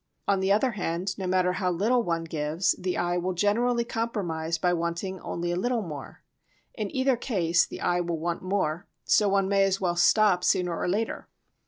On the other hand, no matter how little one gives, the eye will generally compromise by wanting only a little more. In either case the eye will want more, so one may as well stop sooner or later.